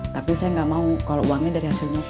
tapi saya gak mau kalau uangnya dari hasil nyopet